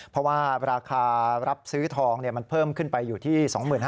เพราะว่าราคารับซื้อทองมันเพิ่มขึ้นไปอยู่ที่๒๕๐